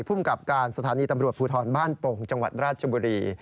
ภูมิกับการสถานีตำรวจภูทรบ้านโป่งจังหวัดราชบุรี